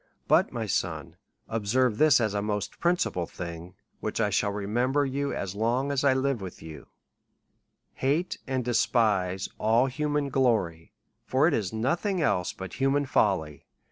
But, my son, observe this as a most principal thing, which I shall reraeidter you of as long as I live with Hate and despise all human glory, for it is nothing else but human folly.